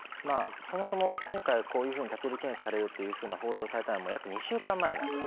そもそも今回こういうふうに立ち入り検査をされるという報道をされたのも２週間前です。